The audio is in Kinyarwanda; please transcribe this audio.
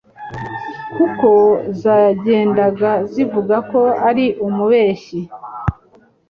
kuko zagendaga zivuga ko ari umubeshyi.